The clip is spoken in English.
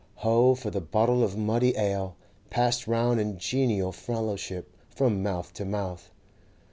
He for the bottle of muddy ale, passed round in genial fellowship from mouth to mouth!